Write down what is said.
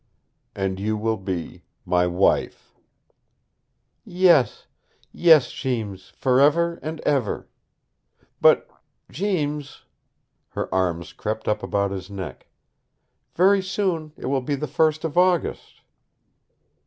"And you will be my wife." "Yes, yes, Jeems forever and ever. But, Jeems" her arms crept up about his neck "very soon it will be the first of August."